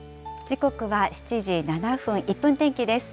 時刻は７時７分、１分天気です。